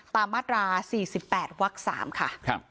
มาตรา๔๘วัก๓ค่ะ